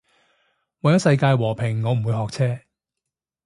為咗世界和平我唔會學車